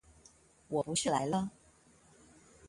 我不是來了！